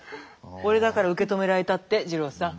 俺だから受け止められたって二朗さん。